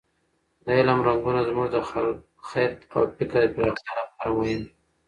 د علم رنګونه زموږ د خرد او فکر د پراختیا لپاره مهم دي.